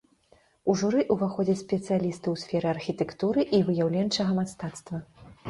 У журы ўваходзяць спецыялісты ў сферы архітэктуры і выяўленчага мастацтва.